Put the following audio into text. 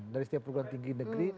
dari setiap perguruan tinggi negeri